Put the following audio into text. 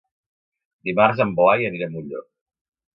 Dimarts en Blai anirà a Molló.